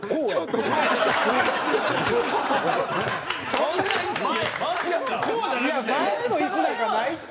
いや前の椅子なんかないって。